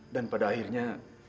dan pada akhirnya